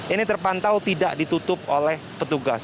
ini terpantau tidak ditutup oleh petugas